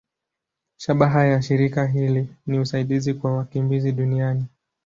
Shabaha ya shirika hili ni usaidizi kwa wakimbizi duniani.